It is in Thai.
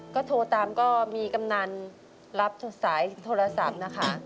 ก็โทรตามก็มีกำนันรับสายโทรศัพท์นะคะ